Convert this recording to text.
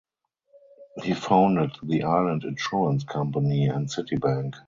He founded the Island Insurance company and City Bank.